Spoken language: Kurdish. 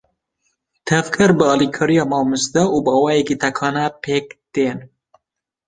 Tevger bi alîkariya mamoste û bi awayekî tekane, pêk tên.